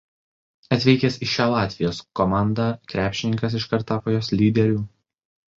Atvykęs į šią Latvijos komanda krepšininkas iškart tapo jos lyderiu.